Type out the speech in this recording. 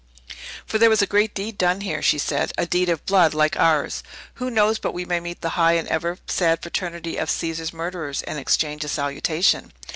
"For there was a great deed done here!" she said, "a deed of blood like ours! Who knows but we may meet the high and ever sad fraternity of Caesar's murderers, and exchange a salutation?"